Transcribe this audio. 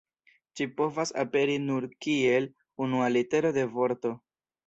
Ĝi povas aperi nur kiel unua litero de vorto.